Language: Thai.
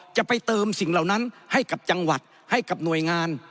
จะไปเติมสิ่งเหล่านั้นให้กับจังหวัดให้กับหน่วยงาน